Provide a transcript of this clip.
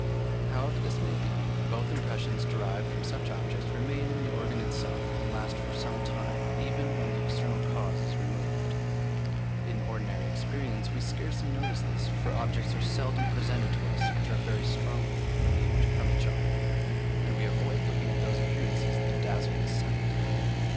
However this may be, both impressions derived from such objects remain in the organ itself, and last for some time, even when the external cause is removed. In ordinary experience we scarcely notice this, for objects are seldom presented to us which are very strongly relieved from each other, and we avoid looking at those appearances that dazzle the sight.